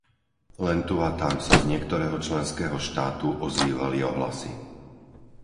Len tu a tam sa z niektorého členského štátu ozývali ohlasy.